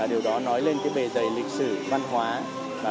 điều đó nói lên cái bề dày lịch sử văn hóa